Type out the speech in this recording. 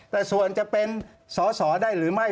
แต่ส่วนจะเป็นสอสอได้หรือไม่